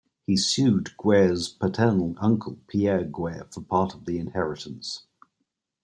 He sued Guerre's paternal uncle Pierre Guerre for part of the inheritance.